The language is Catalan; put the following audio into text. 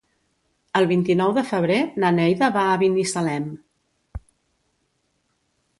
El vint-i-nou de febrer na Neida va a Binissalem.